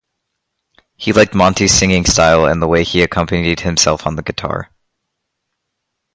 He liked Monte's singing style and the way he accompanied himself on the guitar.